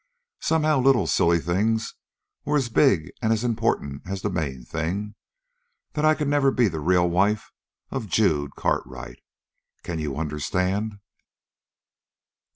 Somehow little silly things were as big and as important as the main thing that I could never be the real wife of Jude Cartwright. Can you understand?"